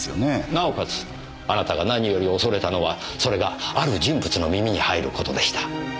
なおかつあなたが何より恐れたのはそれがある人物の耳に入る事でした。